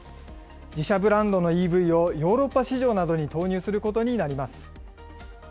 自社ブランドのＥＶをヨーロッパ市場などに投入することになります。